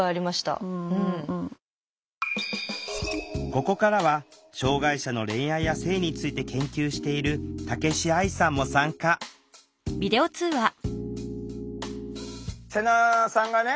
ここからは障害者の恋愛や性について研究している武子愛さんも参加セナさんがね